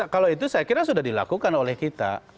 kalau itu saya kira sudah dilakukan oleh kita